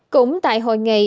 cũng tại hội nghị